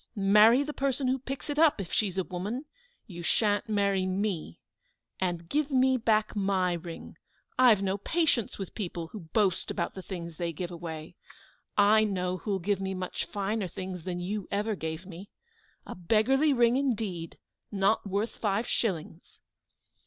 "Marry the person who picks it up if she's a woman; you shan't marry me. And give me back my ring. I have no patience with people who boast about the things they give away. I know who'll give me much finer things than you ever gave me. A beggarly ring indeed, not worth five shillings!"